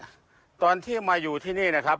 พฤติกรรมอย่างนี้ตอนที่มาอยู่ที่นี่นะครับ